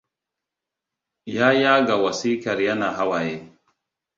Ya yaga wasikar yana hawaye.